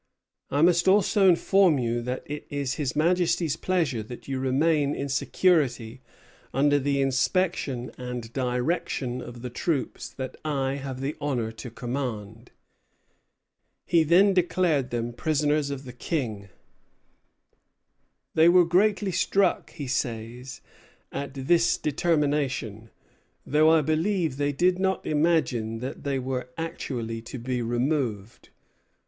I must also inform you that it is His Majesty's pleasure that you remain in security under the inspection and direction of the troops that I have the honor to command. See his portrait, at the rooms of the Massachusetts Historical Society. He then declared them prisoners of the King. "They were greatly struck," he says, "at this determination, though I believe they did not imagine that they were actually to be removed."